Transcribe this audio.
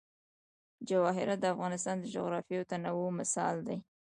جواهرات د افغانستان د جغرافیوي تنوع مثال دی.